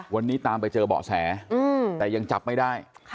วันนี้ตามไปเจอเบาะแสแต่ยังจับไม่ได้